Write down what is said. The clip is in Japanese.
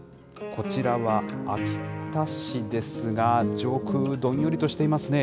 こちらは秋田市ですが、上空、どんよりとしていますね。